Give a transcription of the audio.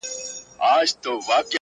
مثلا پیل یې په دې ښکلي جمله شوی دی